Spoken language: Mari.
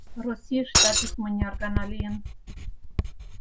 Российыштат икмыняр гана лийын.